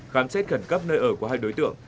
khám xét khẩn cấp nơi ở của hai đối tượng